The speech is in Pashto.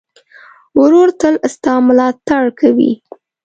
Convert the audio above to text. ورور تل ستا ملاتړ کوي.